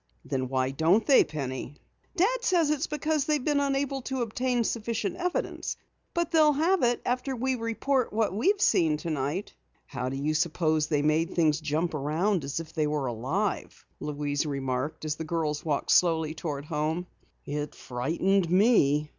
"Then why don't they, Penny?" "Dad says it's because they've been unable to obtain sufficient evidence. But they'll have it after we report what we've seen tonight!" "How do you suppose they made things jump around as if they were alive?" Louise remarked as the girls walked slowly toward home. "It frightened me."